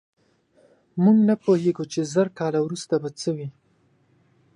موږ نه پوهېږو، چې زر کاله وروسته به څه وي.